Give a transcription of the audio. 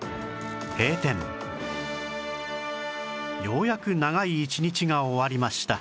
ようやく長い一日が終わりました